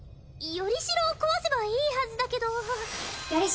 依代を壊せばいいはずだけど依代？